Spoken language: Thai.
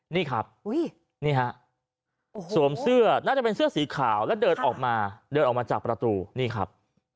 นี่ครับนี่ฮะสวมเสื้อน่าจะเป็นเสื้อสีขาวแล้วเดินออกมาเดินออกมาจากประตูนี่ครับ